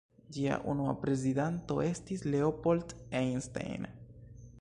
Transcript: Ĝia unua prezidanto estis Leopold Einstein.